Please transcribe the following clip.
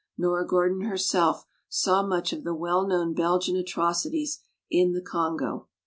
Nora Gordon herself saw much of the well known Belgian atrocities in the Congo.